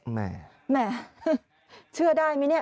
แหม่แหม่เชื่อได้ไหมเนี่ย